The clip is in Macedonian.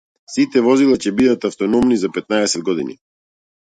Сите возила ќе бидат автономни за петнаесет години.